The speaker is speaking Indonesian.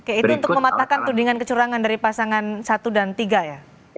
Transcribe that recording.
oke itu untuk mematahkan tudingan kecurangan dari pasangan satu dan tiga ya